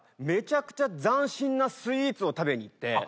めちゃくちゃ斬新なスイーツを食べに行って。